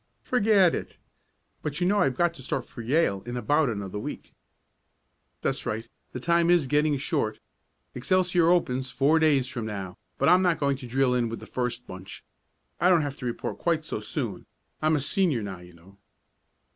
"Forget it! But you know I've got to start for Yale in about another week." "That's right. The time is getting short. Excelsior opens four days from now, but I'm not going to drill in with the first bunch. I don't have to report quite so soon. I'm a Senior now, you know."